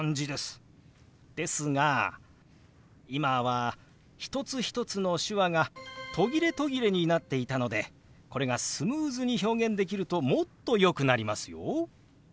ですが今は一つ一つの手話が途切れ途切れになっていたのでこれがスムーズに表現できるともっとよくなりますよ。